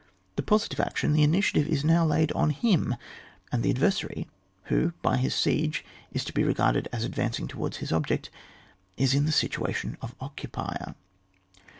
The positive action, the initiative, is now laid on him, and the adversary who by his siege is to be regarded as advancing towards his object, is in the situation of occupier.